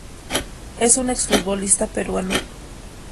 Es un ex futbolista peruano.